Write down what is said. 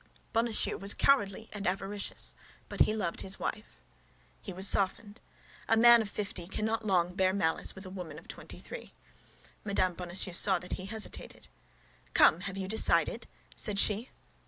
Bonacieux was cowardly and avaricious, but he loved his wife. He was softened. A man of fifty cannot long bear malice with a wife of twenty three. Mme. Bonacieux saw that he hesitated. "Come! Have you decided?" said she.